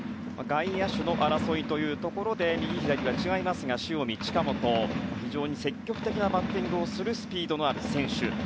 外野手の争いというところで右、左が違いますが塩見、近本、非常に積極的なバッティングをするスピードのある選手。